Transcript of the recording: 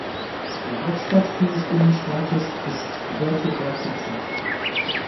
Die Hauptstadt dieses Bundesstaates ist Puerto Ayacucho.